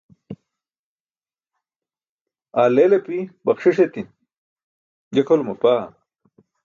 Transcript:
aar leel api, baxṣiṣ etin, je kʰolum apaa